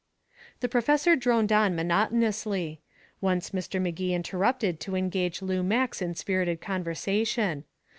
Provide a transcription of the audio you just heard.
The professor droned on monotonously. Once Mr. Magee interrupted to engage Lou Max in spirited conversation.